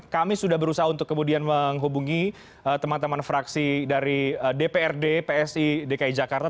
kami sudah berusaha untuk kemudian menghubungi teman teman fraksi dari dprd psi dki jakarta